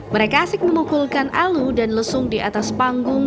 mereka asik memukulkan alu dan lesung di atas panggung